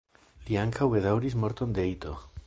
Li ankaŭ bedaŭris morton de Ito.